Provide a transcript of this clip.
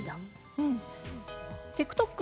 ＴｉｋＴｏｋ